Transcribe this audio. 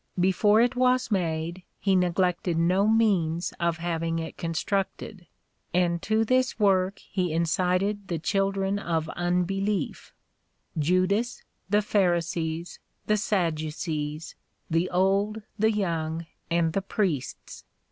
Before it was made, he neglected no means of having it constructed, and to this work he incited the children of unbelief, Judas, the Pharisees, the Sadducees, the old, the young, and the priests.